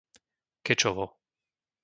Kečovo